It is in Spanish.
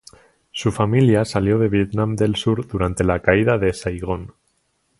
Su familia salió de Vietnam del Sur durante la caída de Saigón.